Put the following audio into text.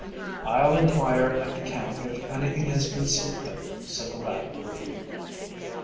"I'll inquire at the camp if anything has been seen of them," said the lad briefly.